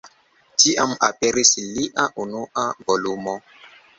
Tiam aperis lia unua volumo.